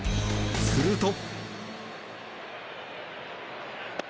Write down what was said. すると。